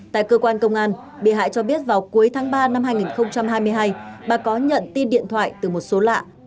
tại cơ quan công an bị hại cho biết vào cuối tháng ba năm hai nghìn hai mươi hai bà có nhận tin điện thoại từ một số lạ